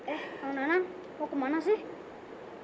eh nanan mau kemana sih